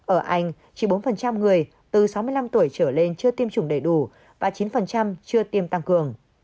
ở anh chỉ bốn người từ sáu mươi năm tuổi trở lên chưa tiêm chủng đầy đủ và chín chưa tiêm tăng cường